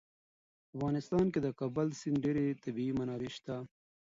په افغانستان کې د کابل سیند ډېرې طبعي منابع شته.